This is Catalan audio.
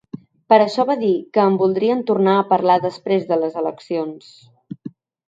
Per això va dir que en voldrien tornar a parlar després de les eleccions.